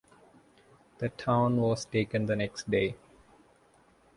That town was taken the next day.